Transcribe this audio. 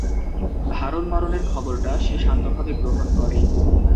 হারুর মরণের খবরটা সে শান্তভাবে গ্রহণ করে।